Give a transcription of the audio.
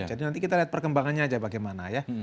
jadi nanti kita lihat perkembangannya aja bagaimana ya